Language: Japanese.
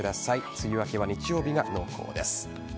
梅雨明けは、日曜日が濃厚です。